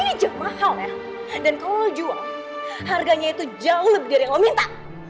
ini jam mahal dan kalau lo jual harganya itu jauh lebih dari yang lo minta